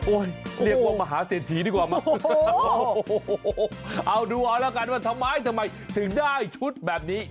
เรียกว่ามหาเศรษฐีดีกว่ามั้งโอ้โหเอาดูเอาแล้วกันว่าทำไมทำไมถึงได้ชุดแบบนี้